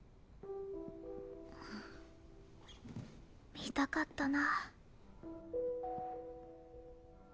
みたかったな。